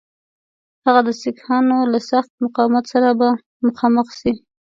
هغه د سیکهانو له سخت مقاومت سره به مخامخ سي.